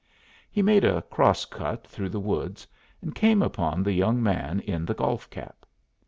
He made a cross cut through the woods, and came upon the young man in the golf cap.